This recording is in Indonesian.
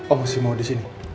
oh masih mau di sini